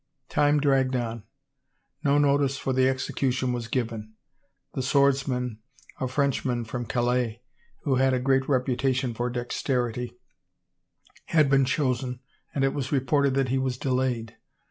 Time dragged on. No notice for the execution was given. The swordsman, a Frenchman from Calais, who had a great reputation for dexterity, had been chosen and it was reported that he was delayed.